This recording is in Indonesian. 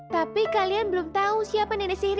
tapi kalian belum tahu siapa nenek sihir itu